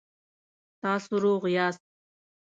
تاسو روغ یاست؟